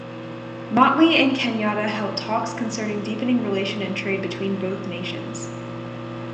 Mottley and Kenyatta held talks concerning deepening relation and trade between both nations.